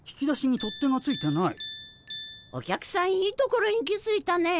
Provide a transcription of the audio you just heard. お客さんいいところに気づいたね。